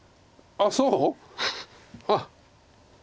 あっそう。